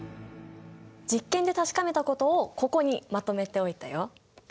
実験で確かめたことをここにまとめておいたよ。